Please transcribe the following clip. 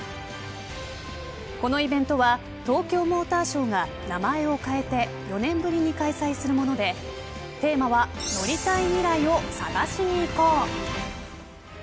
このイベントは東京モーターショーが名前を変えて４年ぶりに開催されるものでテーマは乗りたい未来を、探しにいこう！